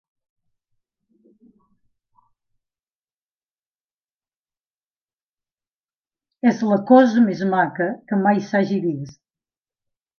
És la cosa més maca que mai s'hagui vist.